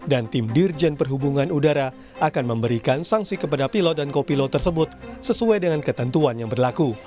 dan tim dirjen perhubungan udara akan memberikan sanksi kepada pilot dan kopilot tersebut sesuai dengan ketentuan yang berlaku